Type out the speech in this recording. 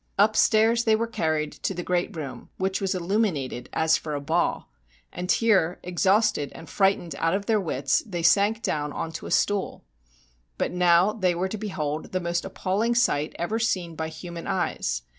Upstairs they were carried to the great room, which was illuminated as for a ball, and here, exhausted and frightened out of their wits, they sank down on to a stool. But now they were to behold the most appalling sight ever seen by human eyes.